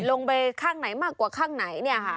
ลงไปข้างไหนมากกว่าข้างไหนเนี่ยค่ะ